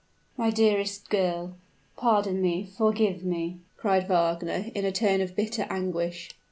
"My dearest girl, pardon me, forgive me!" cried Wagner, in a tone of bitter anguish.